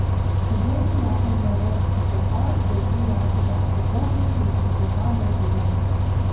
Хъыджэбзым япэ жагъуэгъу къыхуэхъуащ езыр япэ дэӏэпыкъуэгъуу зыщыгугъа Мадинэ.